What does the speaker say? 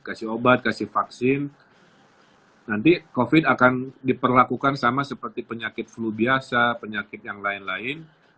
kasih obat kasih vaksin nanti covid akan diperlakukan sama seperti penyakit flu biasa penyakit yang lain lain